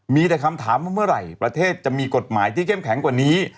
มีแต่คำถามว่าเมื่อไหร่ประเทศจะมีกฎหมายที่เข้มแข็งกว่านี้